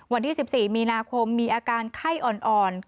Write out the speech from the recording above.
วันที่๑๔มีนาคมมีอาการไข้อ่อน